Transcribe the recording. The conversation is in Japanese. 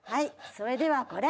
それではこれ。